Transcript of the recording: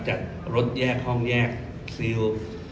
จัดรถแยกห้องแยกซิล